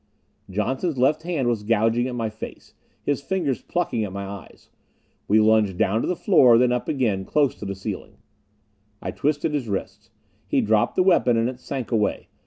Johnson's left hand was gouging at my face, his fingers plucking at my eyes. We lunged down to the floor, then up again, close to the ceiling. I twisted his wrists. He dropped the weapon and it sank away.